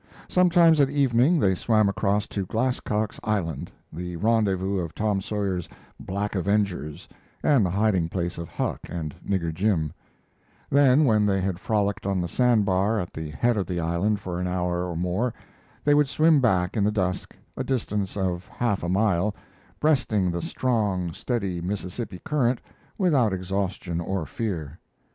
Sometimes at evening they swam across to Glasscock's Island the rendezvous of Tom Sawyer's "Black Avengers" and the hiding place of Huck and Nigger Jim; then, when they had frolicked on the sand bar at the head of the island for an hour or more, they would swim back in the dusk, a distance of half a mile, breasting the strong, steady Mississippi current without exhaustion or fear.